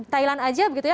thailand aja begitu ya